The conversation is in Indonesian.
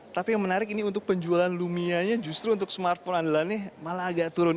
tapi yang menarik ini untuk penjualan lumia nya justru untuk smartphone an adalah ini malah agak turun